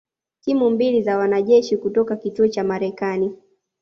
timu mbili za wanajeshi kutoka kituo cha Marekani